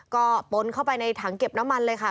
ก็ปนเข้าไปในถังเก็บน้ำมันเลยค่ะ